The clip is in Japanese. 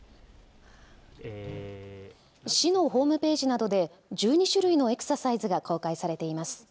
市のホームページなどで１２種類のエクササイズが公開されています。